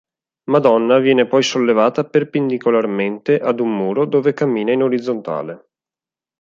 Madonna viene poi sollevata perpendicolarmente ad un muro dove cammina in orizzontale.